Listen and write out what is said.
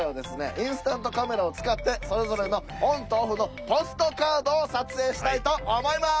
インスタントカメラを使ってそれぞれのオンとオフのポストカードを撮影したいと思います。